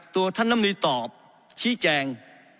ตัวท่านน้ำรีตอบชี้แจง